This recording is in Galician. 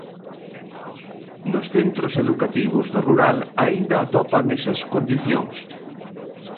Nos centros educativos do rural aínda atopan esas condicións.